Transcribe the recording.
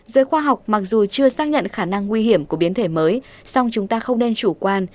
giới khoa học mặc dù chưa xác nhận khả năng nguy hiểm của biến thể mới song chúng ta không nên chủ quan